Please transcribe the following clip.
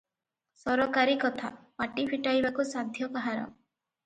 ସରକାରୀ କଥା, ପାଟି ଫିଟାଇବାକୁ ସାଧ୍ୟ କାହାର?